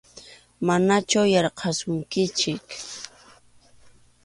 Manachu yarqasunkichik.